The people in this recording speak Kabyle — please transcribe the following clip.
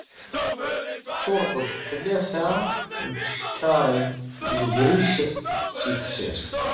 Ččureɣ-d tkata n tcekkaṛin n legric si tessirt.